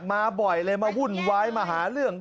มาบ่อยเลยมาวุ่นวายมาหาเรื่อง